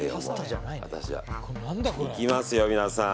いきますよ、皆さん。